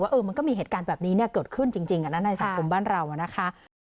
มันก็มีเหตุการณ์แบบนี้เกิดขึ้นจริงในสังคมบ้านเรานะคะ